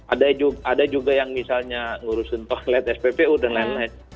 ada juga yang misalnya ngurusin toilet sppu dan lain lain